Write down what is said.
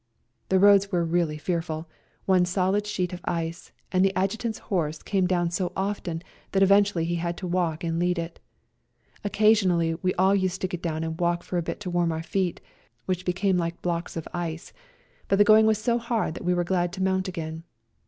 The roads were really fearful, one solid sheet of ice, and the Adjutant's horse came down so often that eventually he had to walk and lead it. Occasionally we all used to get down and walk for a bit to warm our feet, which became like blocks of ice, but the going was 94 A COLD NIGHT RIDE so hard that we were glad to mount again.